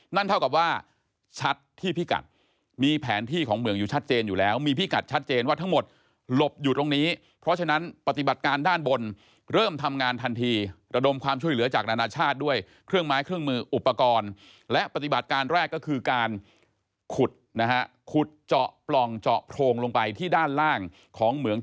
นั่นเท่ากับว่าชัดที่พิกัดมีแผนที่ของเหมืองอยู่ชัดเจนอยู่แล้วมีพิกัดชัดเจนว่าทั้งหมดหลบอยู่ตรงนี้เพราะฉะนั้นปฏิบัติการด้านบนเริ่มทำงานทันทีระดมความช่วยเหลือจากนานาชาติด้วยเครื่องไม้เครื่องมืออุปกรณ์และปฏิบัติการแรกก็คือการขุดนะฮะขุดเจาะปล่องเจาะโพรงลงไปที่ด้านล่างของเหมือง